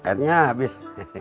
loh karena habis